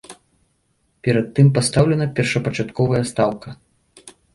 Перад тым пастаўлена першапачатковая стаўка.